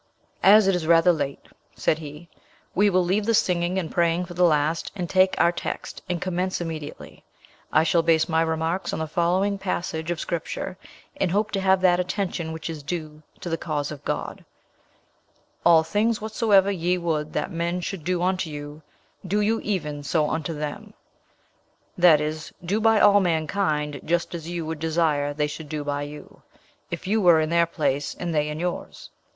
"As it is rather late," said he, "we will leave the singing and praying for the last, and take our text, and commence immediately. I shall base my remarks on the following passage of Scripture, and hope to have that attention which is due to the cause of God: 'All things whatsoever ye would that men should do unto you, do ye even so unto them'; that is, do by all mankind just as you would desire they should do by you, if you were in their place and they in yours.